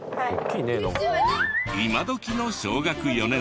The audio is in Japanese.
今どきの小学４年生。